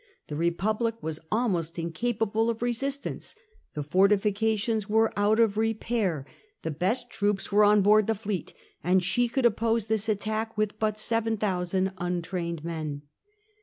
The Republic was almost incapable of resistance, the fortifi cations were out of repair, the best troops were on board the fleet, and she could oppose this attack with but 7,000 untrained men.